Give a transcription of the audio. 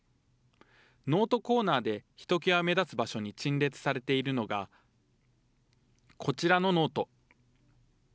ノートコーナーでひときわ目立つ場所に陳列されているのが、こちらのノート。